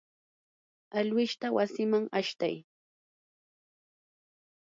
alwishta wasiman ashtay.